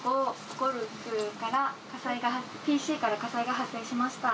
ゴルフからＰＣから火災が発生しました。